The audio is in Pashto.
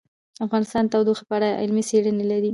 افغانستان د تودوخه په اړه علمي څېړنې لري.